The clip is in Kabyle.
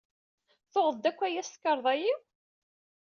Tuɣeḍ-d akk aya s tkarḍa-iw?